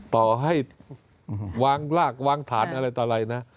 ต่อให้วางรากวางฐานอะไรต่ออะไรนะ